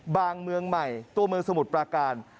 เมืองใหม่ตัวเมืองสมุทรปราการ